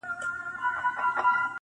• خو حیرانه یم چي دا دعدل کور دی -